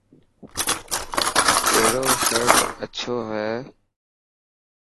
ائرو شرٽ اڇو هي.